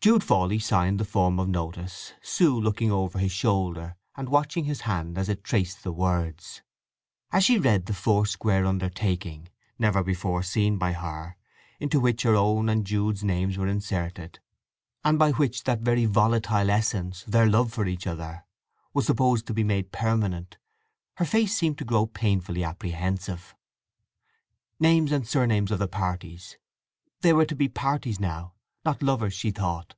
Jude Fawley signed the form of notice, Sue looking over his shoulder and watching his hand as it traced the words. As she read the four square undertaking, never before seen by her, into which her own and Jude's names were inserted, and by which that very volatile essence, their love for each other, was supposed to be made permanent, her face seemed to grow painfully apprehensive. "Names and Surnames of the Parties"—(they were to be parties now, not lovers, she thought).